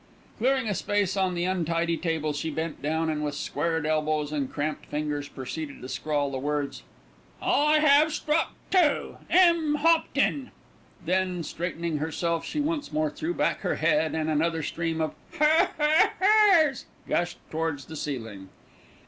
Clearing a space on the untidy table, she bent down and, with squared elbows and cramped fingers, proceeded to scrawl the words: "I have struck too. M. Hopton." Then, straightening herself, she once more threw back her head, and another stream of "Her her her's" gushed towards the ceiling.